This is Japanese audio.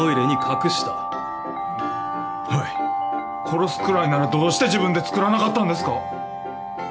殺すくらいならどうして自分で作らなかったんですか？